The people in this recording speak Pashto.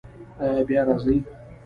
ایا بیا راځئ؟